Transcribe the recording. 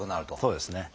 そうですね。